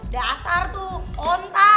dasar tuh ontak